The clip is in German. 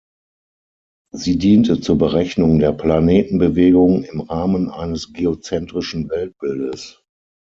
Sie diente zur Berechnung der Planetenbewegung im Rahmen eines geozentrischen Weltbildes.